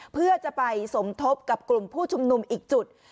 เพื่อจะไปสมทบกับกลุ่มผู้ชุมนุมอีกจุด